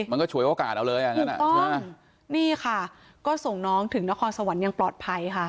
มันก็ช่วยโอกาสเราเลยอ่ะถูกต้องนี่ค่ะก็ส่งน้องถึงนครสวรรค์ยังปลอดภัยค่ะ